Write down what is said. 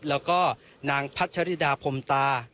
แล้วก็นางพัชริดาพรมตา